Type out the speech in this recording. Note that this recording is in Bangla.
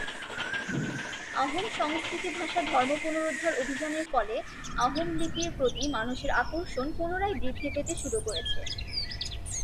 আহোম সংস্কৃতি ভাষা ধর্ম পুনরুদ্ধার অভিযানের ফলে আহোম লিপির প্রতি মানুষের আকর্ষণ পুনরায় বৃদ্ধি পেতে শুরু করেছে।